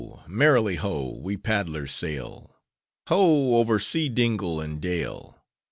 merrily ho! we paddlers sail! Ho! over sea dingle, and dale!